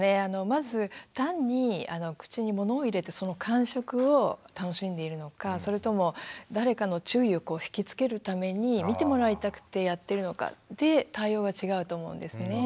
まず単に口に物を入れてその感触を楽しんでいるのかそれとも誰かの注意をひきつけるために見てもらいたくてやってるのかで対応が違うと思うんですね。